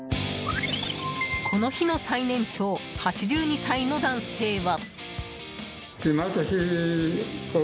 この日の最年長８２歳の男性は。